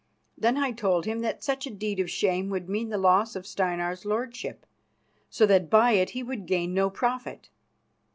Then I told him that such a deed of shame would mean the loss of Steinar's lordship, so that by it he would gain no profit.